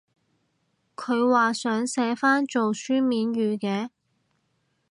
佢話想寫返做書面語嘅？